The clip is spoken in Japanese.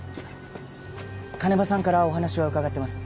鐘場さんからお話は伺ってます。